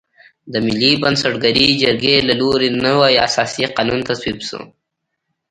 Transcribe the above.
د ملي بنسټګرې جرګې له لوري نوی اساسي قانون تصویب شو.